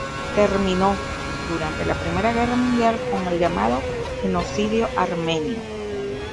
Terminó, durante la Primera Guerra Mundial con el llamado genocidio armenio.